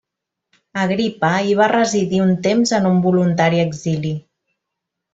Agripa hi va residir un temps en un voluntari exili.